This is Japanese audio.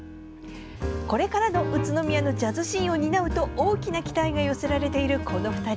これからの宇都宮のジャズシーンを担うと大きな期待が寄せられているこの２人。